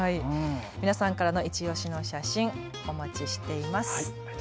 皆さんからのいちオシの写真、お待ちしています。